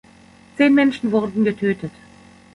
Zehn Menschen wurden getötet.